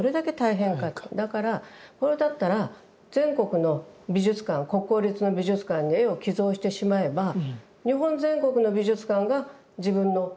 だからそれだったら全国の美術館国公立の美術館に絵を寄贈してしまえば日本全国の美術館が自分の美術館になるじゃないか。